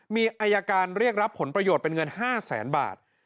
มีอายการเรียกรับผลประโยชน์เป็นเงิน๕แสนบาท